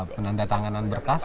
penanda tanganan berkas